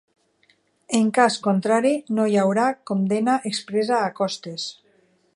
En cas contrari, no hi haurà condemna expressa a costes.